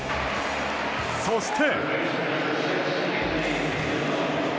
そして。